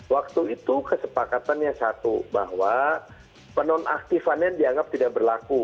waktu itu kesepakatannya satu bahwa penonaktifannya dianggap tidak berlaku